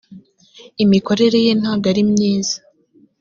imikorere ye ntago arimyiza.